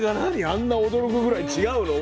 あんな驚くぐらい違うの？